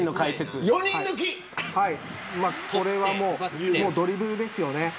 これはドリブルですよね。